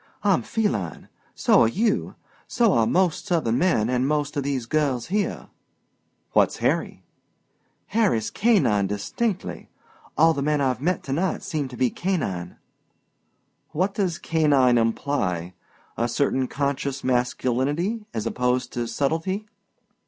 "I'm feline. So are you. So are most Southern men an' most of these girls here." "What's Harry?" "Harry's canine distinctly. All the men I've to night seem to be canine." "What does canine imply? A certain conscious masculinity as opposed to subtlety?"